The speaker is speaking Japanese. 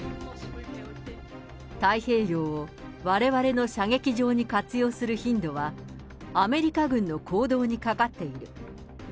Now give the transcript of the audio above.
太平洋をわれわれの射撃場に活用する頻度は、アメリカ軍の行動にかかっている。